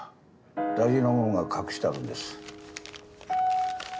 大事なもんが隠してあるんです。